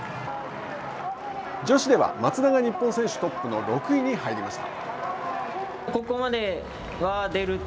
女子では松田が日本選手トップの６位に入りました。